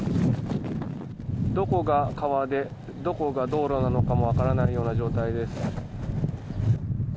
どこが川でどこが道路なのかも分からないような状態です。